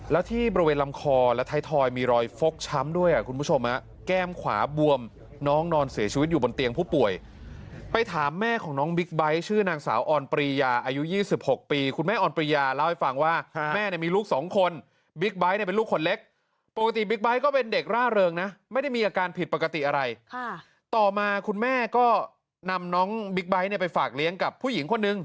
แล้วที่บริเวณลำคอและไทยทอยมีรอยฟกช้ำด้วยคุณผู้ชมนะแก้มขวาบวมน้องนอนเสียชีวิตอยู่บนเตียงผู้ป่วยไปถามแม่ของน้องบิ๊กไบท์ชื่อนางสาวอ่อนปรียาอายุ๒๖ปีคุณแม่อ่อนปรียาเล่าให้ฟังว่าแม่มีลูกสองคนบิ๊กไบท์เป็นลูกขนเล็กปกติบิ๊กไบท์ก็เป็นเด็กร่าเริงนะไม่ได้มีอาการผิดปกติอะไร